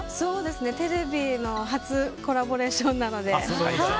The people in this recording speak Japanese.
テレビでの初コラボレーションなので。